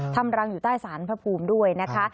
ทำรังอยู่ใต้สารพระภูมิด้วยนะคะ